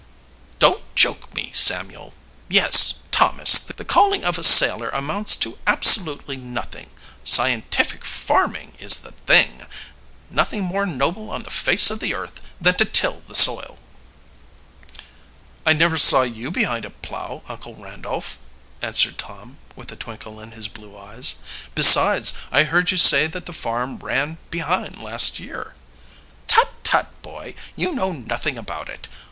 "Don't joke me, Samuel. Yes, Thomas the calling of a sailor amounts to absolutely nothing. Scientific farming is the thing! Nothing more noble on the face of the earth than to till the soil." "I never saw you behind a plow, Uncle Randolph," answered Tom, with a twinkle in his blue eyes. "Besides, I heard you say that the farm ran behind last year." "Tut, tut, boy! You know nothing about it.